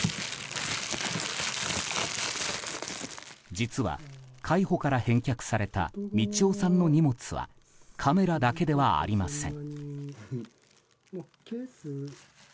実は、海保から返却された宝大さんの荷物はカメラだけではありません。